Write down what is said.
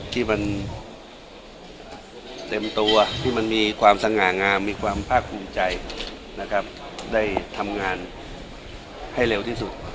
ที่มันเต็มตัวที่มันมีความสง่างามมีความภาคภูมิใจนะครับได้ทำงานให้เร็วที่สุด